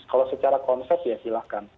kalau secara konsep ya silahkan